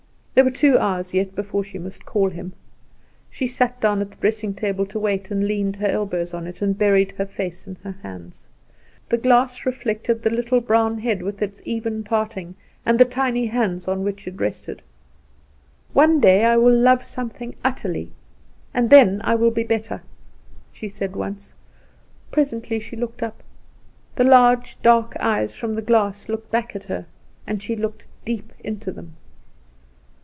There were two hours yet before she must call him. She sat down at the dressing table to wait, and leaned her elbows on it, and buried her face in her hands. The glass reflected the little brown head with its even parting, and the tiny hands on which it rested. "One day I will love something utterly, and then I will be better," she said once. Presently she looked up. The large, dark eyes from the glass looked back at her. She looked deep into them.